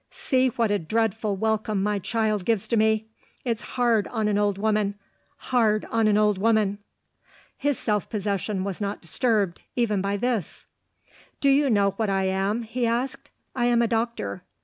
See what a dreadful welcome my child gives to me. It's hard on an old woman hard on an old woman!" His self possession was not disturbed even by this. "Do you know what I am?" he asked. "I am a doctor.